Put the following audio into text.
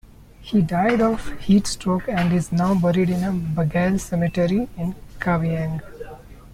He died of heat-stroke and is now buried in Bagail Cemetery in Kavieng.